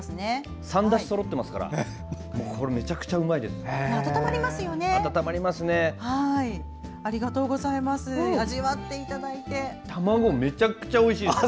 ３だしそろってますからめちゃくちゃうまいです。